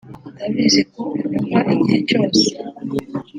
ndabizi ko unyumva igihe cyose